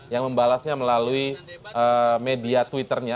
yang membalasnya melalui media twitternya